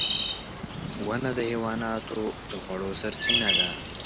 • ونه د حیواناتو د خوړو سرچینه ده.